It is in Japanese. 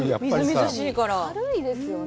軽いですよね。